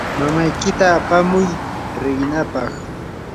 mamaykita apamuy riqinaapaq.